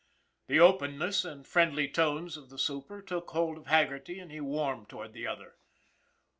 The openness and friendly tones of the super took hold of Haggerty, and he warmed toward the other.